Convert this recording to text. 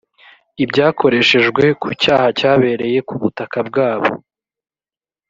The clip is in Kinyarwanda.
ibyakoreshejwe ku cyaha cyabereye ku butaka bwabo